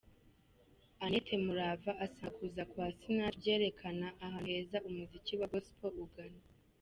Annette Murava asanga kuza kwa Sinach byerekana ahantu heza umuziki wa Gospel ugana.